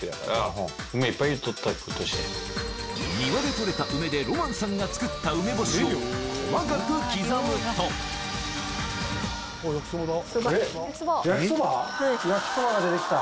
庭でとれた梅でロマンさんが作った梅干しを細かく刻むと焼きそばが出てきた。